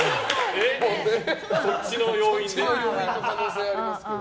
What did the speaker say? そっちの要因の可能性があります。